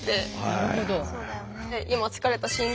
なるほど。